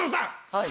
はい。